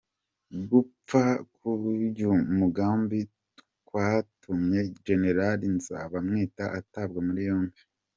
Gupfuba k’uyu mugambi kwatumye General Nzabamwita atabwa muri yombi